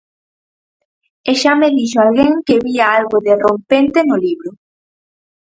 E xa me dixo alguén que vía algo de Rompente no libro.